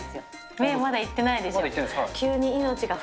目、まだいってないでしょ。